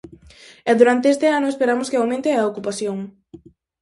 E durante este ano esperamos que aumente a ocupación.